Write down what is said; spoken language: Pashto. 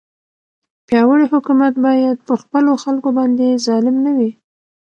پیاوړی حکومت باید پر خپلو خلکو باندې ظالم نه وي.